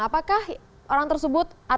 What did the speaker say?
apakah orang tersebut